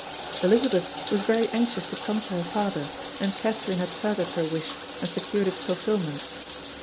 Elizabeth was very anxious to come to her father, and Catherine had furthered her wish and secured its fulfilment.